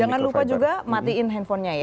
jangan lupa juga matiin handphonenya ya